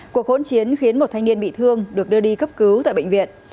cuộc hỗn chiến khiến một thanh niên bị thương được đưa đi cấp cứu tại bệnh viện